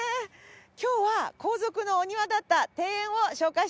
今日は皇族のお庭だった庭園を紹介します。